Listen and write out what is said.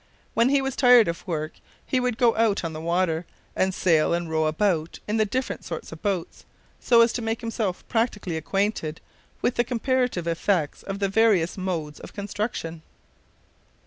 When he was tired of work he would go out on the water, and sail and row about in the different sorts of boats, so as to make himself practically acquainted with the comparative effects of the various modes of construction.